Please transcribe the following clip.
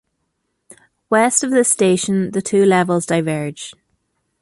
West of this station, the two levels diverge.